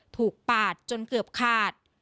ปาดจนเกือบขาด